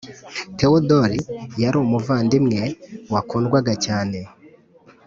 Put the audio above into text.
Theodor yari umuvandimwe wakundwaga cyane .